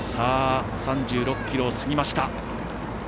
３６ｋｍを過ぎました。